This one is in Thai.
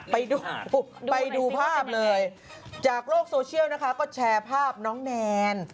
ไปดูไปดูภาพเลยจากโลกโซเชียลนะคะก็แชร์ภาพน้องแนน